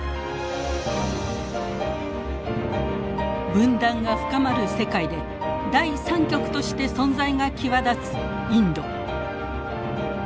分断が深まる世界で第３極として存在が際立つインド。